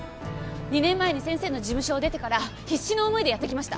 ２年前に先生の事務所を出てから必死の思いでやってきました